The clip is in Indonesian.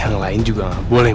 apa aja yang kamu mau